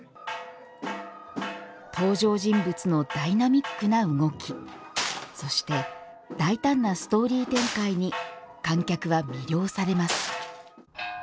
登場人物のダイナミックな動きそして、大胆なストーリー展開に、観客は魅了されます。